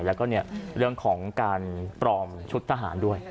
แล้วก็เรื่องของการปลอมชุดทหารด้วย